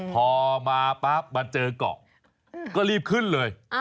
พอมาปั๊บมาเจอเกาะก็รีบขึ้นเลย